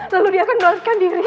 lalu dia akan melarikan diri